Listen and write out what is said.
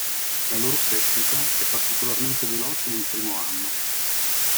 La loro crescita è particolarmente veloce nel primo anno.